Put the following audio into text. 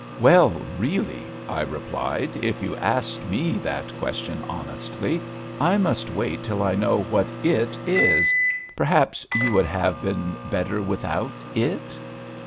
"Well, really," I replied, "if you ask me that question honestly, I must wait till I know what 'it' is; perhaps you would have been better without 'it.'"